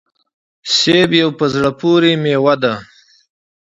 سيب يوه په زړه پوري ميوه ده